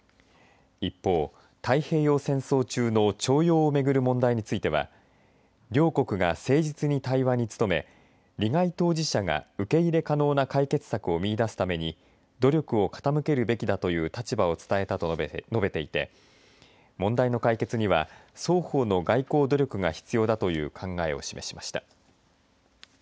一方、太平洋戦争中の徴用をめぐる問題については両国が誠実に対話に努め利害当事者が受け入れ可能な解決策を見いだすために努力を傾けるべきだという立場を伝えたと述べていて問題の解決には双方の外交努力が必要だという考えを示しました。